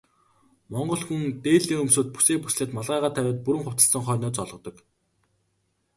Монгол хүн дээлээ өмсөөд, бүсээ бүслээд малгайгаа тавиад бүрэн хувцасласан хойноо золгодог.